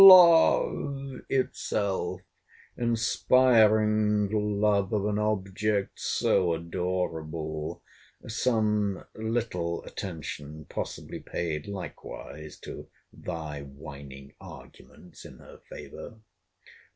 LOVE itself, inspiring love of an object so adorable—some little attention possibly paid likewise to thy whining arguments in her favour.